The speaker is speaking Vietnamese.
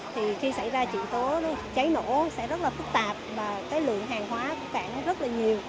thì khi xảy ra chuyện tố cháy nổ sẽ rất là phức tạp và cái lượng hàng hóa của cảng nó rất là nhiều